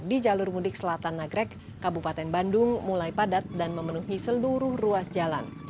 di jalur mudik selatan nagrek kabupaten bandung mulai padat dan memenuhi seluruh ruas jalan